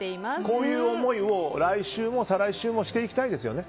こういう思いを来週も再来週もしていきたいですよね。